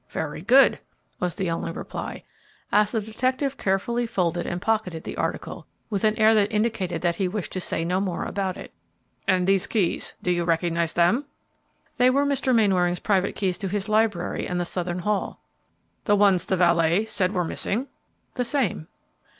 "Very good!" was the only reply, as the detective carefully folded and pocketed the article with an air that indicated that he wished to say no more about it. "And these keys, do you recognize them?" "They were Mr. Mainwaring's private keys to his library and the southern hall." "The ones the valet said were missing?" "The same."